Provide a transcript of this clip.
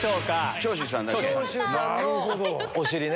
長州さんのお尻ね。